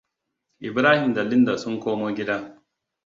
Ibrahim da Linda sun komo gida.